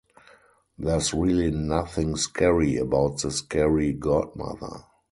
There's really nothing scary about the Scary Godmother.